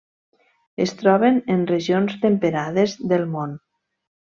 Es troben en regions temperades del món.